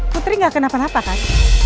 putri gak kenapa napa kan